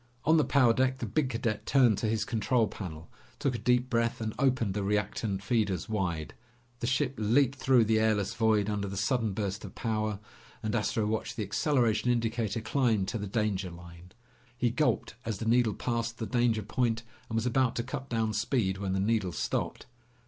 On the power deck, the big cadet turned to his control panel, took a deep breath, and opened the reactant feeders wide. The ship leaped through the airless void under the sudden burst of power and Astro watched the acceleration indicator climb to the danger line. He gulped as the needle passed the danger point and was about to cut down speed when the needle stopped.